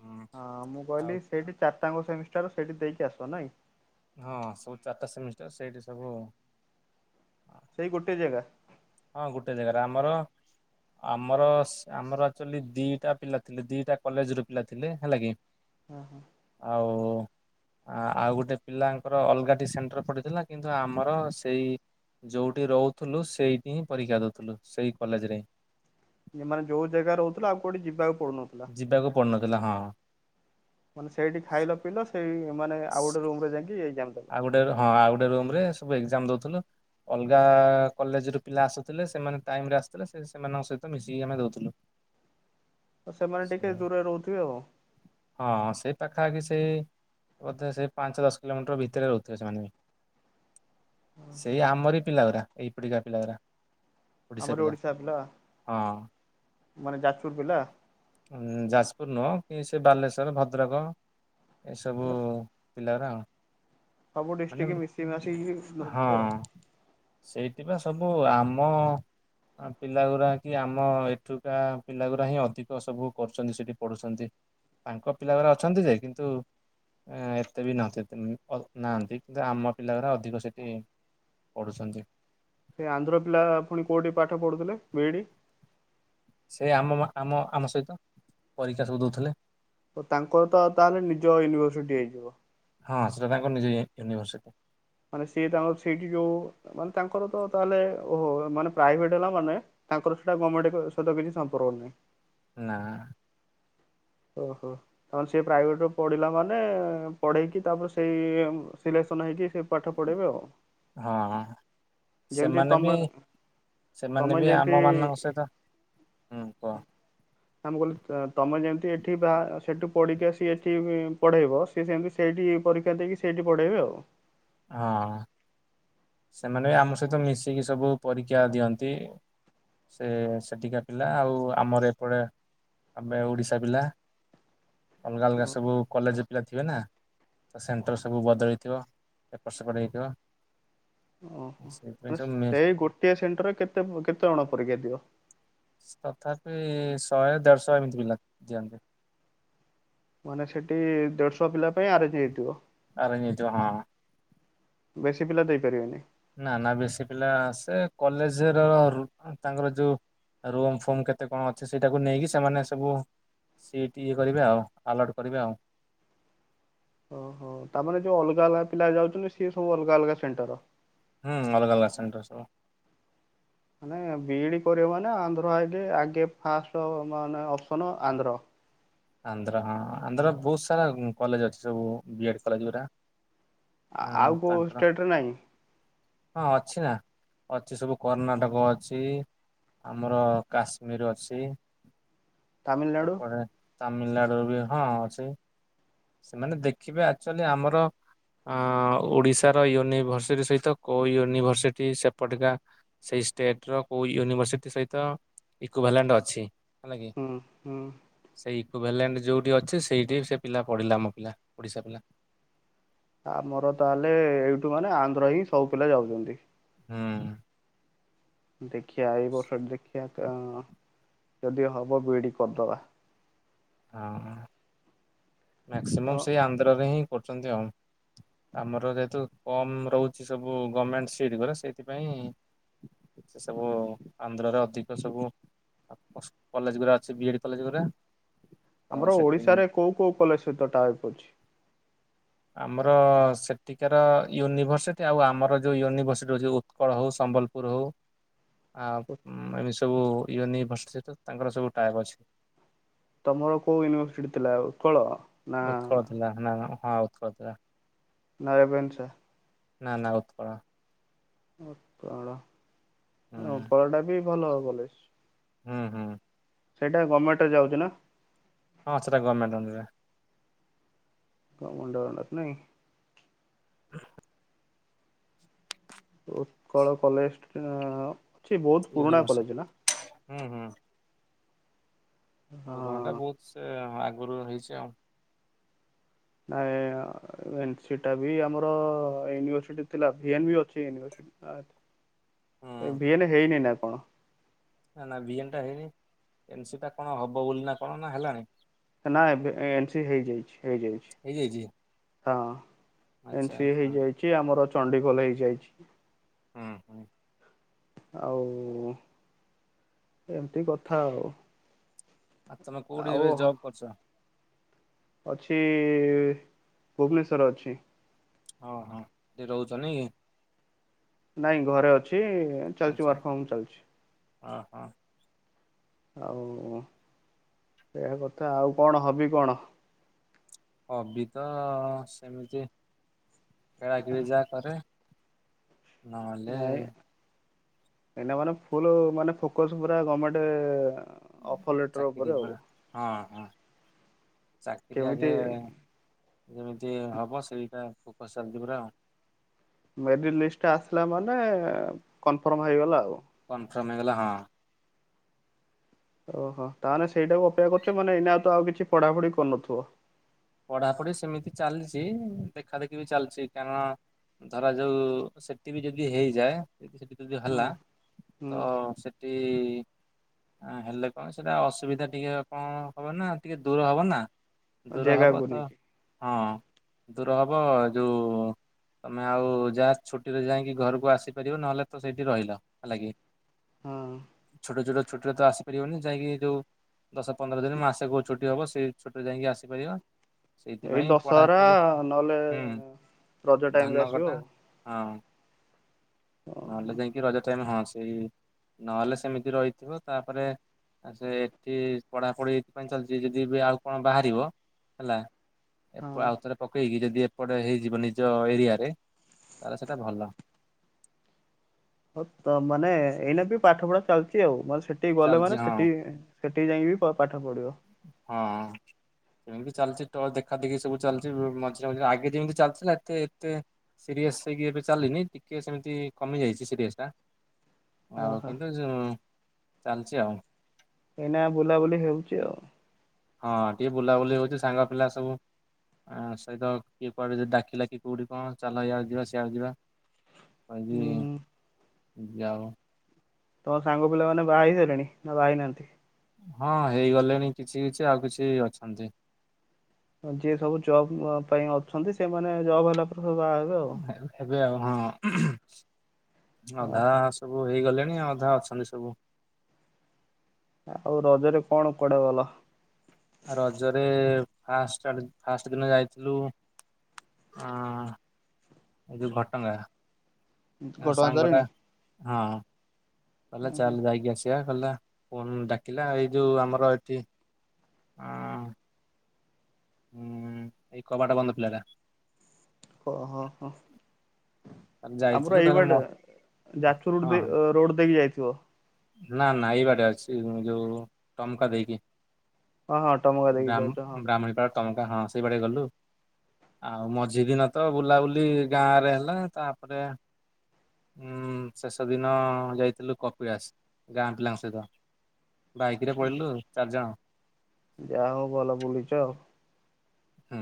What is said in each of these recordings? ହୁଁ ହଁ ମୁଁ ଆଉ କହିଲି ସେଇଠି ଚାରିଟାଙ୍କ ସେମିଷ୍ଟାର ସେଇଠି ଦେଇକି ଆସିବ ନାଇଁ। ହଁ ସବୁ ଚାରିଟା ସେମିଷ୍ଟର ସେଇଠି ସବୁ। ସେଇ ଗୋଟେ ଜାଗା। ହଁ ଗୋଟେ ଜାଗାରେ ଆମର। ଆମର ସ ଆମର ଆକ୍ଚୁଆଲି ଦିଟା ପିଲା ଥିଲେ ଦିଟା କଲେଜ ର ପିଲା ଥିଲେ ହେଲା କି। ହଁ ହଁ ଆଉ। ଆ-ଆଉ ଗୋଟେ ପିଲାଙ୍କର ଅଲଗା ଟି ସେଣ୍ଟର ପଡିଥିଲା କିନ୍ତୁ ଆମର ସେଇ। ଯୋଉଠି ରହୁଥିଲୁ ସେଇଠି ହିଁ ପରୀକ୍ଷା ଦଉଥିଲୁ ସେଇ କଲେଜ ରେ ହିଁ। ଏ ମାନେ ଯୋଉ ଜାଗାରେ ରହୁଥିଲ ଆଉ କଉଠି ଯିବାକୁ। ପଡୁନଥିଲା। ଯିବାକୁ ପଡୁନଥିଲା ହଁ। ମାନେ ସେଇଠି ଖାଇଲ ପିଇଲ ସେଇ ମାନେ ଆଉ ଗୋଟେ ରୁମ ରେ ଯାଇକି ଏଇ। ଆଉ ଗୋଟେ ହଁ ଆଉ ଗୋଟେ ରୁମରେ ସବୁ ଏକ୍ଜାମ ଦଉଥିଲୁ ଅଲଗା କଲେଜ ରୁ ପିଲା ଆସୁଥିଲେ ସେମାନେ ଟାଇମରେ ଆସିଥିଲେ ସେ ସେମାନଙ୍କ ସହିତ ମିଶିକି ଆମେ ଦଉଥିଲୁ। ତ ସେମାନେ ଟିକେ ସେ ଦୂରରେ ରହୁଥିବେ ଆଉ ହଁ ସେଇ ପାଖାଖି ସେ ସେ ବଧେ ସେ ପାଞ୍ଚ ଦଶ କିଲୋମିଟର ଭିତରେ ରହୁଥିବ ସେମାନେ ବି ଓହୋ। ସେଇ ଆମରି ପିଲା ଗୁରା ଏଇ ପଡିକା ପିଲାଗୁରା। ଓଡିଶା ପିଲା ହଁ ମାନେ ଯାଜପୁର ପିଲା ଯାଜପୁର ନୁହଁ ଏ ସେ ବାଲେଶ୍ୱର ଭଦ୍ରକ ଏସବୁ ପିଲାରା ଆଉ। ସପୁ ମାନେ ଡିଷ୍ଟିକ ମିସେଇ ମାସିକି ନୋଉଥିବେ ଆଉ। ସେଇଥିପାଇ ସବୁ ଆମ ଆ ପିଲା ଗୁରା କି ଆମ ଏଠୁକା ପିଲା ଗୁରା ହିଁ ଅଧିକ ସବୁ କରୁଛନ୍ତି ସେଠି ପଢୁଛନ୍ତି। ତାଙ୍କ ପିଲା ଗୁରା ଅଛନ୍ତି ଯେ କିନ୍ତୁ ଏତେ ବି ନଥାନ୍ତିନି ଅ ନାହାନ୍ତି କିନ୍ତୁ ଆମ ପିଲା ଗୁରା ଅଧିକ ସେଠି ପଢ଼ୁଛନ୍ତି। ସେ ଆନ୍ଧ୍ର ପିଲା ପୁଣି କୋଉଠି ପାଠ ପଢୁଥିଲେ ବି ଇ ଡି? ସେ ଆମ ଆମ ଆମ ସହିତ ପରୀକ୍ଷା ସବୁ ଦଉଥିଲେ। ତାଙ୍କର ତ ତାହେଲେ ନିଜ ୟୁନିଭରସିଟି ହେଇଯିବ। ହଁ ସେଟା ତାଙ୍କ ନିଜ ୟୁନିଭରସିଟି। ମାନେ ସିଏ ତାଙ୍କର ସେଇଠି ଯୋଉ ମାନେ ତାଙ୍କର ତ ତାହେଲେ ଓହୋ ମାନେ ପ୍ରାଇଭେଟ ହେଲା ମାନେ ତାଙ୍କର ସେଇଟା ଗମେଣ୍ଟ ସ ସହିତ କିଛି ସମ୍ପର୍କ ନାହିଁ। ନା ଓହୋ ତା ସେ ପ୍ରାଇଭେଟରେ ପଢିଲା ମାନେ ପଢେଇକି ତାପରେ ସେଇ ଶିଲେ ନ ହେଇକି ସେ ପାଠ ପଢ଼େଇବେ ଆଉ। ହଁ। ଯେମିତି ସେମାନେ ତମେ ବି ତମେ ସେମାନେ ବି ଯେମିତି ଆମ ମାନଙ୍କ ସହିତ ହୁଁ କୁହ ଆମେ କହିଲ ତମେ ଯେମିତି ଠି ଗା ସେଠୁ ପଢିକି ଆସିକି ଏଠି ପଢେଇବ ସିଏ ସେମିତି ସେଇଠି ପରୀକ୍ଷା ଦେଇକି ସେଇଠି ପଢେଇବେ ଆଉ। ହଁ। ସେମାନେ ଆମ ସହିତ ମିଶିକି ସବୁ ପରୀକ୍ଷା ଦିଅନ୍ତି। ସେ ସେଠିକା ପିଲା ଆଉ ଆମର ଏପଟେ ଆମେ ଓଡିଶା ପିଲା ଅଲଗା ଅଲଗା ସବୁ କଲେଜ ପିଲା ଥିବେ ନା ତ ସେଣ୍ଟର ସବୁ ବଦଳି ଥିବ ଏପଟ ସେପଟ ହେଇଥିବ ସେଇଥିପାଇଁ ଓହୋ ସବୁ ମେ ସେଇ ଗୋଟିଏ ସେଣ୍ଟରରେ କେତେ ପ କେତେ ଜଣ ପରୀକ୍ଷା ଦିଅ? ତଥାପି ଶହେ ଦେଢଶହ ଏମିତି ପିଲା ଦିଅନ୍ତି। ମାନେ ସେଠି ଦେଢଶହ ପିଲା ପାଇଁ ଆରେଞ୍ଜ ହେଇଥିବ। ଅରେଞ୍ଜ ହେଇଥିବ ହିଁ। ବେଶୀ ପିଲା ଦେଇ ପାରିବେନି। ନା ନା ବେଶୀ ପିଲା ଆସେ କଲେଜରର ରୁ ତାଙ୍କର ଯୋଉ ରୋମ ଫୋମ କେତେ କଣ ଅଛି ସେଇଟାକୁ ନେଇକି ସେମାନେ ସବୁ ସେଠି ଇଏ କରିବେ ଆଉ ଆଲର୍ଟ କରିବେ ଆଉ। ଓହୋ ତା ମାନେ ଯୋଉ ଅଲଗା ଅଲଗା ପିଲା ଯାଉଛନ୍ତି ସିଏ ସବୁ ଅଲଗା ଅଲଗା ସେଣ୍ଟର। ହୁଁ ଅଲଗା ଅଲଗା ସେଣ୍ଟର ସବୁ। ମାନେ ବିଇଡି କରିବ ମାନେ ଆନ୍ଧ୍ର ହେଇଲେ ଆଗେ ଫାଷ୍ଟ ମାନେ ଅପସନ ଆନ୍ଧ୍ର। ଆନ୍ଧ୍ର ହ ଆନ୍ଧ୍ର ବହୁତ ସାରା କଲେଜ ଅଛି ସବୁ ବି ଏଡ କଲେଜ ଗୁଡା। ଆଉ କୋଉ ଷ୍ଟେଟରେ ନାହିଁ? ହଁ ଅଛି ନା ଅଛି ସବୁ କର୍ଣ୍ଣାଟକ ଅଛି ଆମର କାଶ୍ମୀର ଅଛି ତାମିଲନାଡ଼ୁ ଏପଟେ ତାମିଲନାଡୁ ର ବି ହଁ ଅଛି। ସେମାନେ ଦେଖିବେ ଆଚୁଆଲି ଆମର ଅ ଓଡିଶାର ୟୁନିଭରସିଟି ସହିତ କୋଉ ୟୁନିଭରସିଟି ସେପଟିକା ସେଇ ଷ୍ଟେଟ ର କୋଉ ୟୁନିଭରସିଟି ସହିତ ଇକୋଭଲାଣ୍ଡ ଅଛି। ହେଲା କି ହୁଁ ହୁଁ। ସେଇ ଇକୋଭଲେଣ୍ଟ ଯଉଁଠି ଅଛି ସେଇଠି ସେ ପିଲା ପଢିଲା ଆମ ପିଲା ଓଡ଼ିଶା ପିଲା। ଆମର ତାହେଲେ ଏଇଠୁ ମାନେ ଆନ୍ଧ୍ର ହିଁ ସବୁ ପିଲା ଯାଉଛନ୍ତି। ହୁ। ଦେଖିବା ଏଇ ବର୍ଷ ଟ ଦେଖିବା। ଯଦି ହବ ବିଡ଼ି କରିଦେବା। ହଁ ତ ମକ୍ସିମମ୍ ସେଇ ଆନ୍ଧ୍ରରେ ହିଁ କରୁଛନ୍ତି ଆଉ। ଆମର ଯେହେତୁ କମ ରହୁଛି ସବୁ ଗଭଣମେଣ୍ଟ ସିଟଙ୍କର ସେଇଥିପାଇଁ ସେ ସବୁ ଆନ୍ଧ୍ରରେ ଅଧିକ ସବୁ କଲେଜ ଗୁଡା ଅଛି ବି ଏ ଡି କଲେଜ ଗୁଡା। ଆମର ଓଡିଶାରେ କୋଉ କୋଉ କଲେଜ ସହିତ ଟା ଅ ଛି? ଆମର ସେଠିକାର ୟୁନିଭରସିଟି ଆଉ ଆମର ଯୋଉ ୟୁନିଭରସିଟିଉଛି ଉତ୍କଳ ହଉ ସମ୍ବଲପୁର ହଉ। ଆ ଏମିତି ସବୁ ୟୁନିଭର୍ସ ସତ ତାଙ୍କର ସବୁ ଟାଇପ ଅଛି। ତମର କୋଉ ୟୁନିଭର୍ସିଟି ଥିଲା ଉତ୍କଳ ନା? ଉତ୍କଳ ଥିଲା ନା ହଁ [unintelligible] ନା ରେଭେନ୍ସା। ନା ନା ଉତ୍କଳ। ଉତ୍କଳ ହୁଁ ଟା ବି ଭଲ କଲେଜ୍। ହୁଁ ହୁଁ। ସେଇଟା ଗଭର୍ଣ୍ଣମେଣ୍ଟରେ ଯାଉଛି ନା। ହଁ। ସେଟା ଗୋମେଣ୍ଟ ଅଣ୍ଡର ରେ। କମେଣ୍ଟ ଅଣ୍ଡର ନାହିଁ। [unintelligible] ଉତ୍କଳ କଲେଜ ଅଛି। ବହୁତ ପୁରୁଣା ୟୁନିଭର୍ସିଟି କଲେଜ ନା। ହୁଁ ହୁଁ। ପୁରୁଣା ଟା। ହଁ ବହୁତ ସେ ଆଗରୁ ହେଇଛି ଆଉ। ଏନସି ଟା ବି, ଆମର ୟୁନିଭରସିଟି ଥିଲା ଭିନେ ବି ଅଛି ୟୁନିଭରସିଟି। ଆଛ ହୁଁ ଭିଏନ ହେଇନି ନା କଣ। ନା ନା ବି ଏନ ଟା ହେଇନି। ଏ ସେଟା କଣ ହବ ବୋଲି ନା କଣନା ହେଲାଣି। ନା ଏନ୍ ସି ହେଇଯାଇଛି ହେଇଯାଇଛି ହେଇଯାଇଛି? ହଁ। ଏନ୍ ଆଚ୍ଛା ସି ଆଚ୍ଛା ହେଇଯାଇଛି ଆମର ଚଣ୍ଡିଗୋଲ ହେଇଯାଇଛି। ହୁଁ ହୁଁ ଆଉ ଏମିତି କଥା ଆଉ। ଆଉ ତମେ କଉଠି ଆଉ ଏବେ ଜବ୍ କରୁଛ। ଅଛି ଭୁବନେଶ୍ଵର ଅଛି। ହଁ ହଁ ହେଟି ରହୁଛନାଇଁ କି? ନାଇଁ ଘରେ ଅଛି ଚାଲିଛି ୱାର୍କ ଫମ ଚାଲିଛି। ଓ ହୋ। ଆଉ ସେୟା କଥା ଆଉ କଣ। ହବି କଣ? ହବି ତ ସେମିତି ଖେଳାଖେଳି ଯାହା କରେ। ନହଲେ ନାଇଁ ଏଇନା ମାନେ ଫୁଲ ମାନେ ଫୋକସ ପୁରା ଗଣମେଣ୍ଟ ଚାକିରି ଉପ ହଁ ହଁ। ଚାକିରି ଆଗେ କେମିତି ଯେମିତି ହବ ସେଇଟା ଫୋକସ୍ ଚାଲିଚି ପୁରା ଆଉ। ମେରିଟ ଲିଷ୍ଟା ଆସିଲା ମାନେ କନଫର୍ମ ହେଇଗଲା ଆଉ। କନଫର୍ମ ହେଇଗଲାହଁ। ଓହୋ ତାହେଲେ ସେଇଟାକୁ ଅପେକ୍ଷା କରୁଛ ମାନେ ଏଇନାଉ ତ ଆଉ କିଛ ପଢାପଢି କରୁନଥିବ। ପଢାପଢି ସେମିତି ଚାଲିଛି। ଦେଖା ଦେଖି ବି ଚାଲିଛି। କାରଣ ଧର ଯୋଉ ସେଠି ବି ଯଦି ହେଇଯାଏ। ଯଦି ହେଲା ସେଠି ଯଦି ହଁ ହେଲା। ତ ହୁଁ ସେଠି ହେଲେ କଣସେଟା ଅସୁବିଧା ଟିକେ କଣ ହବ ନା ଟିକେ ଦୂର ହବ ନା। ଦୂର ହବ ଜାଗାକୁ ତ, ନେଇକି ହଁ ଦୂର ହବ, ଯୋଉ ତମେ ଆଉ ଯାହା ଛୁଟିରେ ଯାଇକି ଘରକୁ ଆସିପାରିବ। ନହେଲେ ତ ସେଇଠି ରହିଲ, ହେଲା କିି। ହଁ ଛୋଟ ଛୋଟ ଛୁଟିରେ ତ ଆସିପାରିବନି। ଯାଇକି ଯୋଉଁ ଦଶ ପନ୍ଦର ଦିନ, ମାସେ କେଉଁ ଛୁଟି ହେବ, ସେ ଛୁଟିରେ ଯାଇକି ଆସିପାରିବା। ଏଇ ଦଶହରା ନହେଲେ ହୁଁ ରଜ ଟାଇମରେ ଧାନ ଆସିବ କଟା ଆଉ। ହଁ ନହେଲେ ଯାଇକି ରଜ ଟାଇମ, ହଁ ସେଇ ନହେଲେ ସେମିତି ରହିଥିବ ତାପରେ ଆ ସେଠି ପଢାପଢି ପାଇଁ ଚାଲିଛି। ଯଦି ବି ଆଉ କଣ ବାହାରିବ ହେଲା, ହଁ ଆଉଥରେ ପକେଇକି ଯଦି ପଟେ ହେଇଯିବ ନିଜ ଏରିଆରେ ତାହେଲେ ସେଟା ଭଲ। ହଁ ତ ମାନେ, ଏଇନା ବି ପାଠ ପଢା ଚାଲିଛି ଆଉ। ମାନେ ସେଠିକି ଗଲେ ଚାଲିଛି ମାନେ ହଁ ସେଠି ସେଠିକି ଯାଇକି ପାଠ ପଢିବ। ହଁ। ସେମିତି ଚାଲିଛି ଟଚ୍ ଦେଖା ଦେଖି ସବୁ ଚାଲିଛି। ମଝିରେ ମଝିରେ ଆଗେ ଯେମିତି ଚାଲିଥିଲା, ଏତେ ଏତେ ସିରି ୟସ୍ ଏବେ ଚାଲିନି। ଟିକେ ସେମିତି କମି ଯାଇଛି ସିରିଏସ୍ ଟା। ଆଉ ଓହୋ କିନ୍ତୁ ଚାଲିଛି ଆଉ। ଏଇନା ବୁଲାବୁଲି ହଉଛି ଆଉ। ହଁ ଟିକେ ବୁଲାବୁଲି ହଉଛି ସାଙ୍ଗ ପିଲା ସବୁ ଆ ସହିତ କିଏ କୁଆଡେ ଡାକିଲା କି କୋଉଠି କଣ ଚାଲ ଇଆଡେ ଯିବା ସିଆଡେ ଯିବା। ଆଜି ହୁଁ ହୁଁ ଯାଅ ତମ ସାଙ୍ଗ ପିଲା ମାନେ ବାହା ହେଇସାଇଲେଣି ନା ବାହାହେଇନାହାନ୍ତି? ହଁ ହେଇଗଲେଣି କିଛି କିଛି ଆଉ କିଛି ଅଛନ୍ତି। ଯିଏ ସବୁ ଜବ୍ ପାଇଁ ଅଛନ୍ତି ସେମାନେ ଜବ୍ ହେଲା ପରେ ସବୁ ବାହା ହେବେ ଆଉ। ଏବେ ଆଉ ହଁ ଉଁ ହୁଁ ଅଧା ଓହୋ ସବୁ ହେଇଗଲେ ଣି ଅଧା ଅଛନ୍ତି ସବୁ। ଆଉ ରଜରେ କଣ ପଡେ ଭଲ? ରଜରେ ଫାଷ୍ଟ ଫାଷ୍ଟ ଦିନ ଯାଇଥିଲୁ ଅ ଯୋଉ ଘଟଗାଁ। ଘଟଗାଁ ସାଙ୍ଗ ଟା ତାରିଣୀ। ହଁ କହିଲା ଚାଲ ଯାଇକି ଆସିବା। ହେଲା ଫୋନ୍ ଡାକିଲା ଏଇ ଯୋଉ ଆମର ଏଠି ଅ ହୁଁ ଏଇ କବାଟ ବନ୍ଦ ପିଲାଟା। ଓ ହୋ ହୋ। ତାଲେ ଆମର ଯାଇଥିଲୁ ଏଇ ତାହେଲେ ମ ବାଟେ ଯାଜପୁର ରୋଡ ହଁ ଦେଇ ରୋଡ ଦେଇକି ଯାଇ ନା ନା ଏଇ ବାଟେ ଅଛି ଯୋଉ ଟମକା ଦେଇକି। ହଁ ହଁ ଟମକା ଦେଇକି ଯାଉଛ ହଁ ବ୍ରାହ୍ମ ବ୍ରାହ୍ମଣୀପାଳ ଟମକା ହଁ ସେଇ ବାଡେ ଗଲୁ। ଆଉ ମଝି ଦିନ ତ ବୁଲାବୁଲି ଗାଁ ରେ ହେଲା ତାପରେ ଉଁ ଶେଷ ଦିନ ଯାଇଥିଲୁ କପିଳାସ। ଗାଁ ପିଲାଙ୍କ ସହିତ। ବାଇକ ରେ ପଳେଇଲୁ ଚାରିଜଣ। ଯାହା ହଉ ଭଲ ବୁଲୁଚ। ହୁଁ।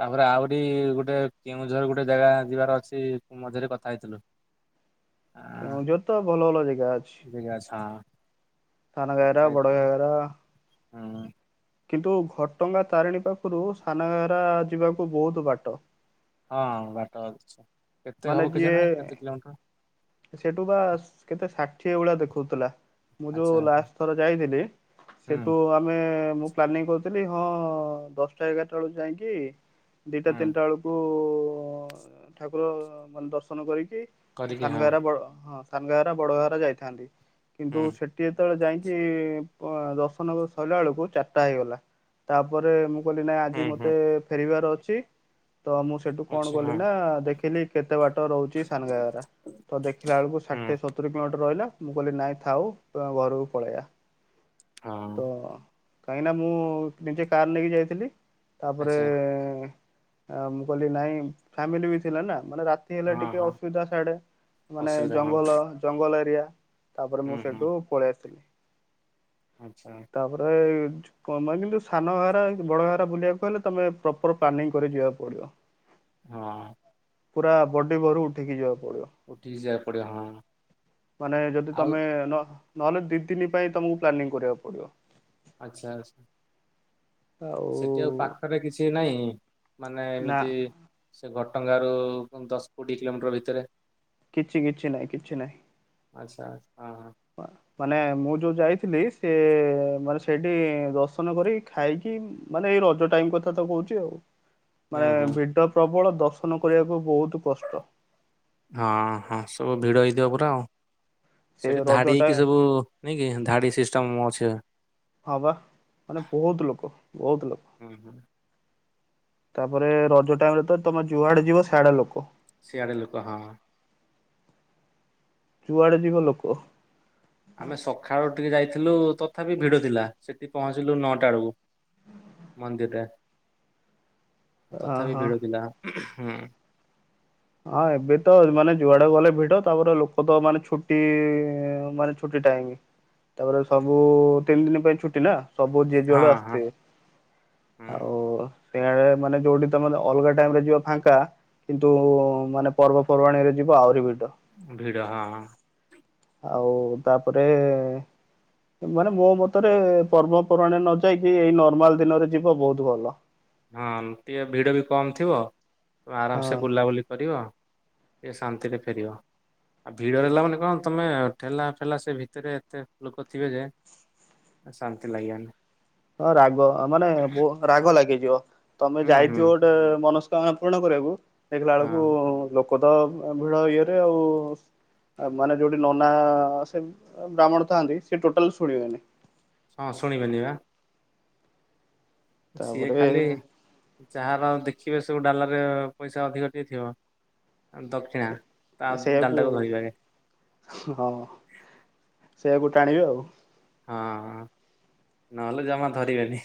ତାପରେ ଆହୁରି ଗୋଟେ କେଉଁଝର ଗୋଟେ ଜାଗା ଯିବାର ଅଛି ମଝିରେ କଥା ହେଇଥିଲୁ। [inaudible] ଆଁ କେଉଁଝର ତ ଭଲ ଭଲ ଜାଗା ଅଛି। ଜାଗା ଅଛି ହଁ ସାନ ଘାଗାରା କଥା ବଡ଼ ହେଇଥିଲୁ ଘାଗାରା। ହୁଁ। କିନ୍ତୁ ଘଟଗାଁ ତାରିଣୀ ପାଖରୁ ସାନ ଘାଗାରା ଯିବାକୁ ବହୁତ ବାଟ। ହଁ ବାଟ ଅଛି। କେତେ ମାନେ ହବ ଯିଏ କେଜାଣି କେତେ କିଲୋମିଟର? ସେଠୁ ବା କେତେ ଷାଠିଏ ଭଳିଆ ଦେଖଉଥିଲା। ମୁଁ ଆଚ୍ଛା ଯୋଉ ଆଚ୍ଛା ଲାଷ୍ଟ ଥର ଯାଇଥିଲି ହୁଁ ସେଠୁ ଆମେ ମୁଁ ପ୍ଲାନିଂ କରି ଥିଲି ହଁ ଦଶଟା ଏଗାରଟା ବେଳକୁ ଯାଇଁକି ଦିଟା ହୁଁ ତିନିଟା ବେଳକୁ [unintelligible] ଠାକୁର ମାନେ ଦର୍ଶନ କରିକି କରିକି ହଁ। ସାନଘାଗେରା ବ ହଁ ସାନଗାଘେରା ବଡ଼ଘାଗେରା ଯାଇଥାନ୍ତି, କିନ୍ତୁ ହୁଁ ସେଠି ଯେତେବେଳେ ଯାଇ କି ପ ଦର୍ଶନ ସଇଲା ବେଳକୁ ଚାରିଟା ହେଇଗଲା। ତାପରେ ମୁଁ କଇଲି ନାଇଁ ଆଜି ହୁଁ ହୁଁ ମତେ ଫେରିବାର ଅଛି ତ ମୁଁ ସେଠୁ କଣ ଆଚ୍ଛା କଲି ହଁ ନା ଦେଖିଲି କେତେ ବାଟ ରହୁଛି ସାନଘାଗେରା? ତ ଦେଖିଲା ବେଳକୁ ହୁଁ ଷାଠିଏ ସତୁରି କିଲୋମିଟର ରହିଲା, ମୁଁ କହିଲି ନାଇଁ ଥାଉ ତ ଆମ ଘରକୁ ପଳେଇବା। ହଁ। କାହିଁକି ନା ମୁଁ ନିଜେ କାର ନେଇକି ଯାଇଥିଲି, ତାପରେ ଆଚ୍ଛା ମୁଁ କହିଲି ନାଇଁ ଫାମିଲି ବି ଥିଲା ନା, ମାନେ ରାତି ହେଲେ ହଁ ଟିକେ ହଁ। ଅସୁବିଧା ସିଆଡେ ମାନେ ଅସୁବିଧା ହଁ ଜଙ୍ଗଲ ଜଙ୍ଗଲ ଏରିଆ ତାପରେ ହୁଁ ମୁଁ ହୁଁ ସେଇଠୁ ପଳେଇ ଆସିଲି। ଆଚ୍ଛା ତାପରେ [unintelligible] ସାନଘାଗେରା ବଡଘାଗେରା ବୁଲିବାକୁ ହେଲେ ତମେ ପ୍ରପର ପ୍ଲାନିଂ କରି ଯିବାକୁ ପଡିବ। ହଁ। ପୁରା ବଡି ଭୋରୁ ଉଠିକି ଯିବାକୁ ପଡିବ। ଉଠିକି ଯିବାକୁ ପଡିବ ହଁ ମାନେ ଯଦି ଆଉ ତମେ ନ ନହେଲେ ଦି ଦିନି ପାଇଁ ତମକୁ ପ୍ଲାନିଂ କରିବାକୁ ପଡିବ। ଆଚ୍ଛା। ସେଠି ଆଉ ପାଖରେ କିଛି ନାହିଁ ମାନେ ନା ଏମିତି ସେ [unintelligible] ରୁ ଦଶ କୋଡିଏ କିଲୋମିଟର ଭିତରେ। କିଛି କିଛି ନାହିଁ କିଛି ନାହିଁ। ଆଚ୍ଛା। ହଁ ହଁ। [unintelligible] ମାନେ ମୁଁ ଯୋଉ ଯାଇଥିଲି, ସେ ମାନେ ସେଇଠି ଦର୍ଶନ କରିକି ଖାଇକି ମାନେ ରଜ ଟାଇମ କଥା ତ କହୁଛି ଆଉ, ମାନେ ହୁଁ ହୁଁ ଭିଡ ପ୍ରବଳ ଦର୍ଶନ କରିବାକୁ ବହୁତ କଷ୍ଟ। ହଁ- ହଁ ସବୁ ଭିଡ ହେଇଥିବ ପୁରା ଆଉ। ସେ ସେଠି ରଜ ଧାଡି ହେଇକିି ଟାଇମ ସବୁ ନାଇଁ କି ଧାଡି ସିଷ୍ଟମ ଅଛି। ହଁ ବା ମାନେ ବହୁତ ଲୋକ ବହୁତ ଲୋକ ହୁଁ ହୁଁ ତାପରେ ରଜ ଟାଇମରେ ତ ତମେ ଯୁଆଡେ ଯିବ ସିଆଡେ ଲୋକ। ସିଆଡେ ଲୋକ ହଁ। ଯୁଆଡେ ଯିବ ଲୋକ। ଆମେ ସକାଳୁ ଟିକେ ଯାଇଥିଲୁ ତଥାପି ଭିଡ଼ ଥିଲା ସେଠି ପହଞ୍ଚିଲୁ ନଅଟା ବେଳକୁ ମନ୍ଦିରରେ। ତଥାପି ଓହୋ ଭିଡ଼ ଥିଲା ହଁ। ହଁ ଏବେ ତ ମାନେ ଯୁଆଡେ ଗଲେ ଭିଡ ତାପରେ, ଲୋକ ତ ମାନେ ଛୁଟି ମାନେ ଛୁଟି ଟାଇମ୍ ତାପରେ ସବୁ ତିନି ଦିନ ପାଇଁ ଛୁଟି ନା। ସବୁ ଯେ ହଁ ଯୁଆଡୁ ହଁ ଆସିଥିବେ ହୁଁ ଆଉ। ସେ ମାନେ ଯୋଉଠି ତମେ ଅଲଗା ଟାଇମରେ ଯିବ ଫାଙ୍କା, କିନ୍ତୁ ମାନେ ପର୍ବପର୍ବାଣିରେ ଯିବ ଆହୁରି ଭି ଭିଡ଼ ହଁ। ଆଉ ତାପରେ ମାନେ ମୋ ମତରେ ପର୍ବପର୍ବାଣିରେ ନ ଯାଇକି ଏଇ ନର୍ମାଲ ଦିନରେ ଯିବ ବହୁତ ଭଲ। ହଁ ଟିକେ ଭିଡ଼ ବି କମ ଥିବ, ତମେ ହଁ। ଆରାମସେ ବୁଲାବୁଲି କରିବ ଟିକେ ଶାନ୍ତିରେ ଫେରିବ। ଆଉ ଭିଡରେ ହେଲା ମାନେ କଣ ତମେ ଠେଲା ଫେଲା, ସେ ଭିତରେ ଏତେ ଲୋକ ଥିବେ ଯେ ଆ ଶାନ୍ତି ଲାଗିବନି। ହଁ ରାଗ ମାନେ ରାଗ ଲାଗିଯିବ, ତମେ ହୁଁ ହୁଁ ଯାଇଥିବ ଗୋଟେ ମନସ୍ ପୂରଣ କରିଆକୁ ଦେଖିଲା ବେଳକୁ ହଁ ଲୋକ ତ ଭିଡ ଇଏରେ ଆଉ ମାନେ ଯୋଉଠି ନନା ସେ ବ୍ରାହ୍ମଣ ଥାନ୍ତି ସେ ଟୋଟାଲ ଶୁଣିବେନି। ହଁ ଶୁଣିବେନି ବା। ସିଏ ତାପରେ ଖାଲି ଯାହାର ଦେଖ ଦେଖିବେ ସବୁ ଡାଲରରେ ପଇସା ଅଧିକ ଟିକେ ଥିବ। ଦକ୍ଷିଣା ତା ସେଇଆକୁ ଡାଲଟାକୁ [unintelligible] ଆଗେ। ହଁ ସେଇଆକୁ ଟାଣିବି ଆଉ। ହଁ ନହେଲେ ଜମା ଧରିବେନି।